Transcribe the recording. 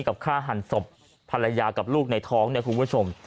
ฆ่าหันศพภรรยากับลูกในท้องเนี่ยคุณผู้ชม